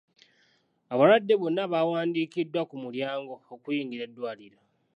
Abalwadde bonna baawandiikiddwa ku mulyango oguyingira eddwaliro.